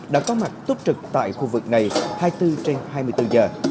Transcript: đã có mặt túc trực tại khu vực này hai mươi bốn trên hai mươi bốn giờ